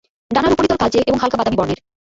ডানার উপরিতল কালচে এবং হালকা বাদামী বর্নের।